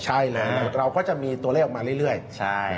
ใช่เลยเราก็จะมีตัวเลขออกมาเรื่อย